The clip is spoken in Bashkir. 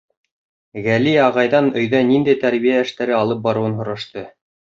Гәли ағайҙан өйҙә ниндәй тәрбиә эштәре алып барыуын һорашты.